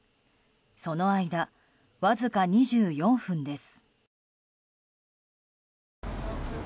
その間、わずか２４分です。